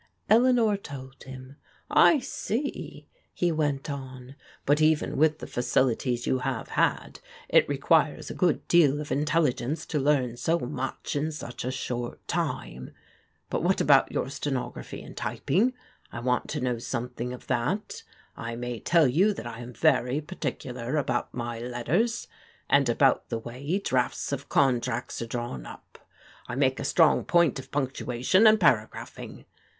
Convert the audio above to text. " Eleanor told him« " I see," he went on, " but even with the facilities you ■lave had, it requires a good deal of intelligence to learn aK) much in such a short time. But about your stenog raphy and typing, I want to know something of that. I Tnay tell you that I am very particular about my letters, and about the way drafts of contracts are drawn up. I make a strong point of punctuation and paragraphing.